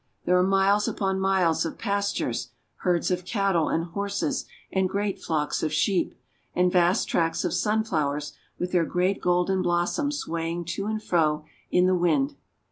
There are miles upon miles of pastures, herds of cattle and horses, and great flocks of sheep, and vast tracts of sunflowers with their great golden blossoms swaying to and fro in the wind.